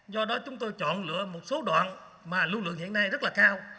do đó chúng tôi chọn lựa một số đoạn mà lưu lượng hiện nay rất là cao